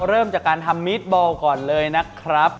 เริ่มจากการทำมีดบอลก่อนเลยนะครับ